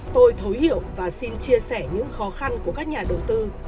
tôi thấu hiểu và xin chia sẻ những khó khăn của các nhà đầu tư